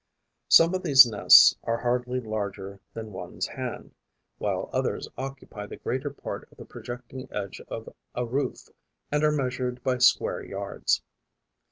Some of these nests are hardly larger than one's hand, while others occupy the greater part of the projecting edge of a roof and are measured by square yards.